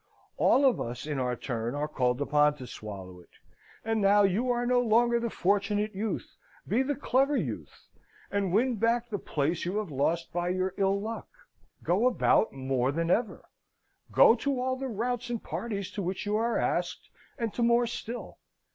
All of us in our turn are called upon to swallow it: and, now you are no longer the Fortunate Youth, be the Clever Youth, and win back the place you have lost by your ill luck. Go about more than ever. Go to all the routs and parties to which you are asked, and to more still.